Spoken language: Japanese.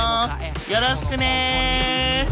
よろしくね！